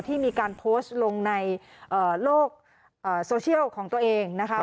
ที่มีการโพสต์ลงในโลกโซเชียลของตัวเองนะคะ